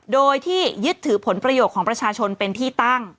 โดยที่ยึดถือผลประโยชน์ของประชาชนเป็นที่ตั้ง